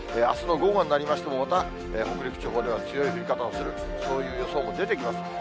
あすの午後になりましても、また北陸地方では強い降り方をする、そういう予想も出てきます。